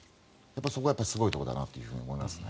そこはやっぱりすごいところだと思いますね。